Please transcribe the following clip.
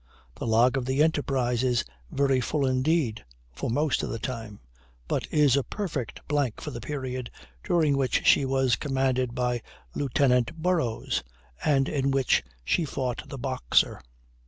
The log of the Enterprise is very full indeed, for most of the time, but is a perfect blank for the period during which she was commanded by Lieutenant Burrows, and in which she fought the Boxer.